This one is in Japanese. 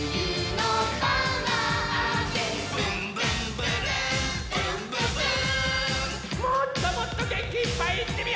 もっともっとげんきいっぱいいってみよう！